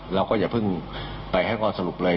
เราก็อย่าเพิ่งไปให้ข้อสรุปเลย